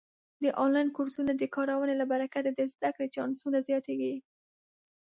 د آنلاین کورسونو د کارونې له برکته د زده کړې چانسونه زیاتېږي.